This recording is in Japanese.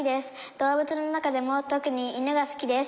動物の中でもとくに犬が好きです。